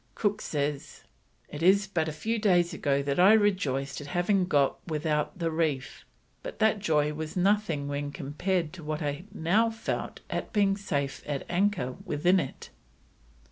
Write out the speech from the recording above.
Cook says: "It is but a few days ago that I rejoiced at having got without the Reef, but that joy was nothing when compared to what I now felt at being safe at an anchor within it."